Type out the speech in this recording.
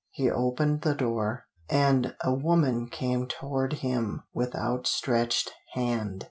He opened the door, and a woman came toward him with outstretched hand.